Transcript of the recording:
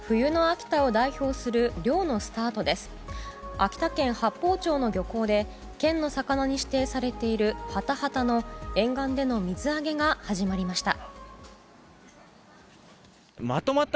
秋田県八峰町の漁港で県の魚に指定されているハタハタの沿岸での水揚げが始まりました。